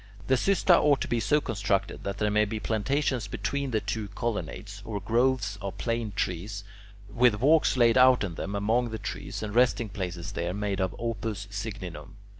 The "xysta" ought to be so constructed that there may be plantations between the two colonnades, or groves of plane trees, with walks laid out in them among the trees and resting places there, made of "opus signinum."